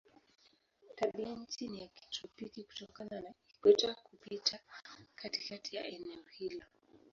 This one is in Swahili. Tabianchi ni ya kitropiki kutokana na ikweta kupita katikati ya eneo hilo.